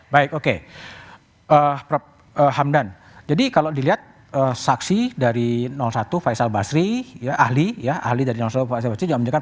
baik oke prof hamdan jadi kalau dilihat saksi dari satu faisal basri ahli ahli dari nasional faisal basri juga menjelaskan